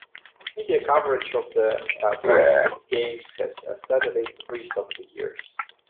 Media coverage of the Paralympic Games has steadily increased over the years.